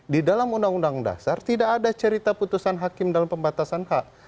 di dalam undang undang dasar tidak ada cerita putusan hakim dalam pembatasan hak